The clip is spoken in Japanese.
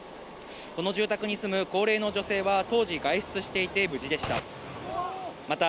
この住宅に住む高齢の女性は、当時外出していて無事でした。